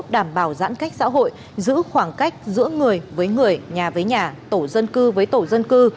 đảm bảo giãn cách xã hội giữ khoảng cách giữa người với người nhà với nhà tổ dân cư với tổ dân cư